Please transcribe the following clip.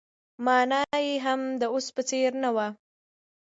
مانا يې هم د اوس په څېر نه وه.